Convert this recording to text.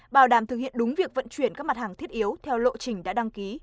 bảo đảm thực hiện đúng việc vận chuyển các mặt hàng thiết yếu theo lộ trình đã đăng ký